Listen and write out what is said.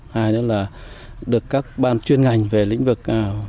hai nữa là được các ban chuyên ngành về lĩnh vực